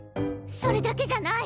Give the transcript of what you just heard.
それだけじゃない！